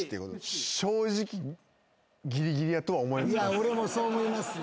俺もそう思いますよ。